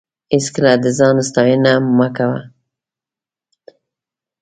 هېڅکله د ځان ستاینه مه کوه.